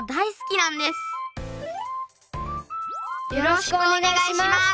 よろしくお願いします！